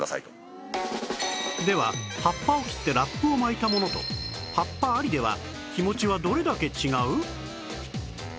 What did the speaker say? では葉っぱを切ってラップを巻いたものと葉っぱありでは日もちはどれだけ違う？